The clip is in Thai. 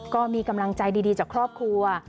ก็มีกำลังใจดีจากครอบครัว